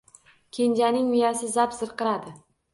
Kenjaning miyasi zap zirqiradi.